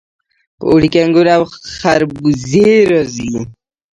په اوړي کې انګور او خربوزې راځي.